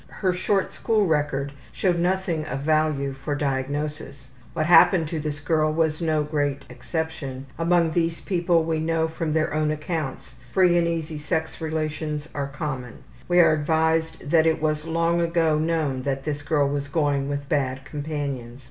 Her short school record showed nothing of value for diagnosis. What happened to this girl was no great exception; among these people, we know from their own accounts, free and easy sex relationships are common. We are advised that it was long ago known that this girl was going with bad companions.